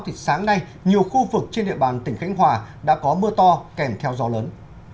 thì sáng nay nhiều khu vực trên địa bàn tỉnh khánh hòa đã có mưa to kèm theo gió lớn